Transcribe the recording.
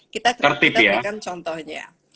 kita berikan contohnya